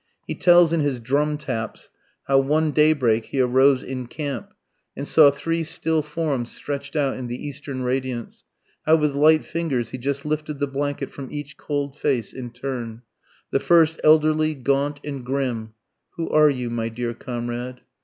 He tells in his "Drum Taps" how one daybreak he arose in camp, and saw three still forms stretched out in the eastern radiance, how with light fingers he just lifted the blanket from each cold face in turn: the first elderly, gaunt, and grim Who are you, my dear comrade?